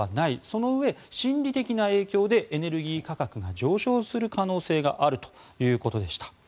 そのうえ、心理的な影響でエネルギー価格が上昇する可能性があるということでした。